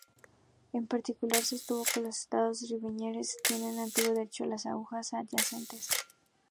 En particular, sostuvo que los Estados ribereños tienen derecho a las aguas adyacentes.